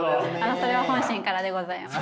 それは本心からでございます。